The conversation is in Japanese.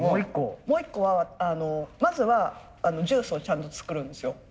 もう一個はまずはジュースをちゃんと作るんですよ。